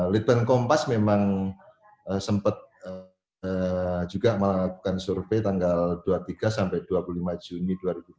litbang kompas memang sempat juga melakukan survei tanggal dua puluh tiga sampai dua puluh lima juni dua ribu dua puluh